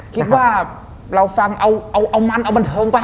คิดว่าเราฟังเอามันเอาบันเทิงไป